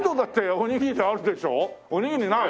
おにぎりない？